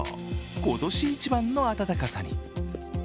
今年一番の暖かさに。